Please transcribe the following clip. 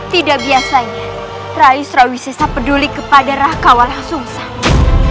tidak biasanya raih surawisisa peduli kepada rakhawa langsung saja